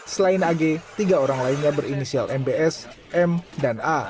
selain ag tiga orang lainnya berinisial mbs m dan a